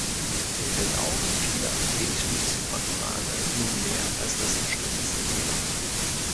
In den Augen vieler gilt die Zypernfrage nunmehr als das umstrittenste Thema.